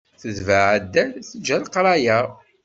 Tetbeε addal, teǧǧa leqraya.